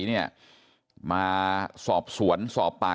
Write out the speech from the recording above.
ส่วนเรื่องทางคดีนะครับตำรวจก็มุ่งไปที่เรื่องการฆาตฉิงทรัพย์นะครับ